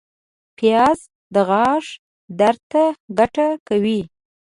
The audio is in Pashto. پیاز د غاښ درد ته ګټه کوي